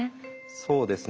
そうなんですね。